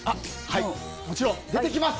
もちろん、出てきます。